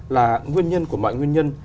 là nguyên nhân của mọi nguyên nhân